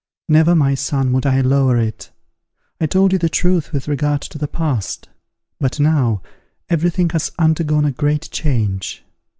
_ Never, my son, would I lower it. I told you the truth with regard to the past; but now, every thing has undergone a great change.